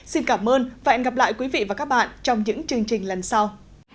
xin cảm ơn và hẹn gặp lại quý vị và các bạn trong những chương trình lần sau